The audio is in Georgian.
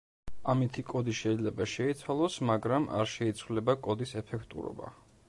ამითი კოდი შეიძლება შეიცვალოს, მაგრამ არ შეიცვლება კოდის ეფექტურობა.